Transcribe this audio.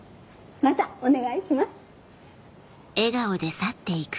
またお願いします。